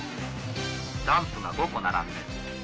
ランプが５個並んでる。